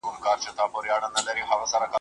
اتلان د خلکو په یاد پاتې کېږي.